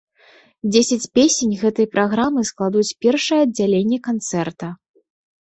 Дзесяць песень гэтай праграмы складуць першае аддзяленне канцэрта.